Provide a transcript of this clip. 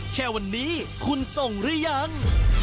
แค่วันนี้คุณส่งหรือยัง